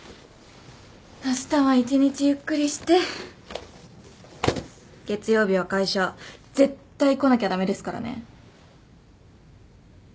あしたは一日ゆっくりして月曜日は会社絶対来なきゃ駄目ですからね。